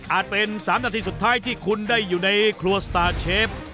เป็น๓นาทีสุดท้ายที่คุณได้อยู่ในครัวสตาร์เชฟ